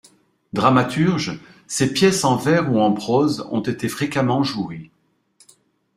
Dramaturge, ses pièces en vers ou en prose ont été fréquemment jouées.